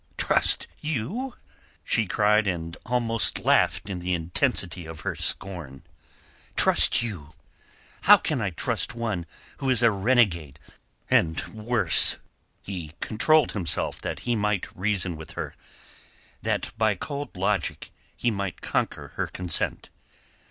"Trust you!" she cried, and almost laughed in the intensity of her scorn. "Trust you! How can I trust one who is a renegade and worse?" He controlled himself that he might reason with her, that by cold logic he might conquer her consent.